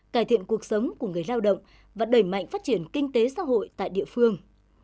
cải thiện cuộc sống của người lao động và đẩy mạnh phát triển kinh tế xã hội tại địa phương